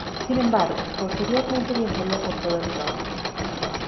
Sin embargo, posteriormente viajaría por todo el globo.